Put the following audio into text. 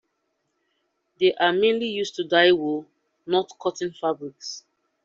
They are mainly used to dye wool, not cotton fabrics.